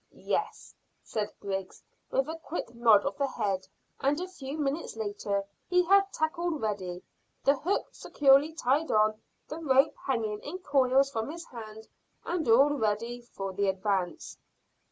"Yes," said Griggs, with a quick nod of the head, and a few minutes later he had his tackle ready, the hook securely tied on, the rope hanging in coils from his hand, and all ready for the advance.